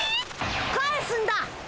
返すんだ！